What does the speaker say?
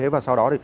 và sau đó